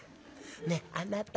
ねえあなた。